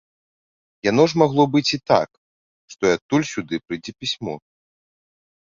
Яно ж магло быць і так, што і адтуль сюды прыйдзе пісьмо.